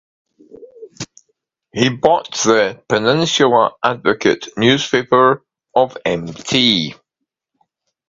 He bought the "Peninsular Advocate" newspaper of Mt.